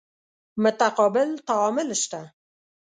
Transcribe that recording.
متقابل تعامل شته.